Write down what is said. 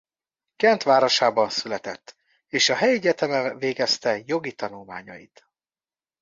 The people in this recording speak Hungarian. Gent városában született és a helyi egyetemen végezte jogi tanulmányait.